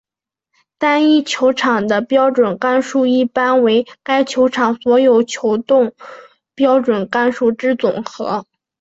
单一球场的标准杆数一般为该球场的所有球洞标准杆数之总和。